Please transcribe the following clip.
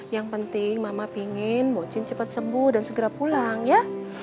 yang penting mama pingin muchin cepat sembuh dan segera pulang ya